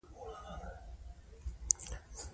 کله چې پټي ته ورسېږو نو کڅوړه به خلاصه کړو